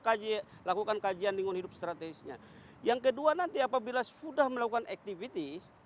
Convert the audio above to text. kaji lakukan kajian lingkungan hidup strategisnya yang kedua nanti apabila sudah melakukan activities